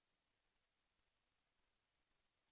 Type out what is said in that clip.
แสวได้ไงของเราก็เชียนนักอยู่ค่ะเป็นผู้ร่วมงานที่ดีมาก